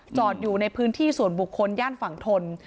อยู่ในพื้นที่ส่วนบุคคลย่านฝั่งทน